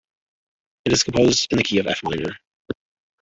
It is composed in the key of F minor.